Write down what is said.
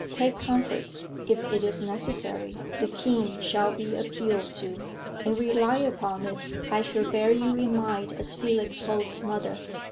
Take comfort; if it is necessary, the king shall be appealed to. And rely upon it, I shall bear you in mind as Felix Holt's mother."